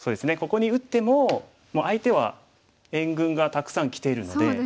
ここに打っても相手は援軍がたくさんきているので。